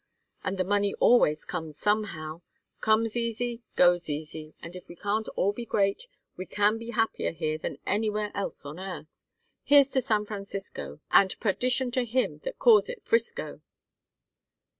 And the money always comes somehow comes easy, goes easy, and if we can't all be great, we can be happier here than anywhere else on earth. Here's to San Francisco and perdition to him that calls it 'Frisco!"